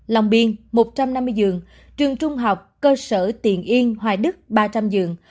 lòng biên một trăm năm mươi giường trường trung học cơ sở tiền yên hoài đức ba trăm linh giường